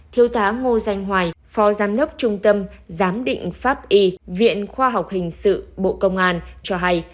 thiếu tá ngô danh hoài phó giám đốc trung tâm giám định pháp y viện khoa học hình sự bộ công an cho hay